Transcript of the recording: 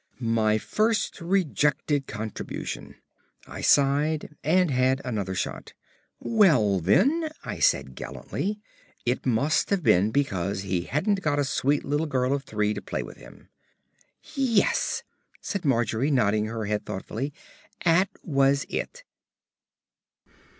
My first rejected contribution! I sighed and had another shot. "Well, then," I said gallantly, "it must have been because he hadn't got a sweet little girl of three to play with him." "Yes," said Margery, nodding her head thoughtfully, "'at was it."